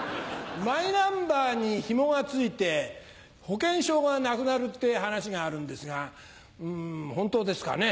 マイナンバーにひもが付いて保険証がなくなるって話があるんですがうん本当ですかね。